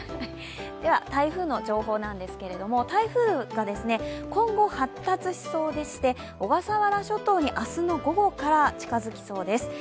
台風の情報なんですけど台風は今後、発達しそうでして小笠原諸島に明日の午後から近づきそうです。